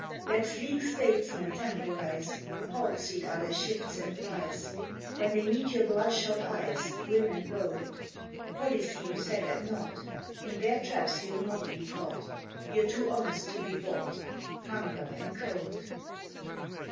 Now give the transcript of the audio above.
Let sleek statesmen temporize; Palsied are their shifts and lies When they meet your bloodshot eyes, Grim and bold; Policy you set at naught, In their traps you'll not be caught, You're too honest to be bought, Hunger and Cold!